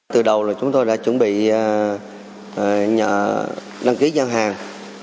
từ đầu là chúng tôi đã chuẩn bị nhận đăng ký gian hàng